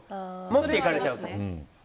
持っていかれちゃうと。